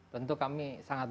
tentu kami sangat